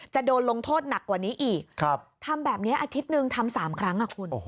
จะโดนลงโทษหนักกว่านี้อีกทำแบบนี้อาทิตย์หนึ่งทำ๓ครั้งคุณ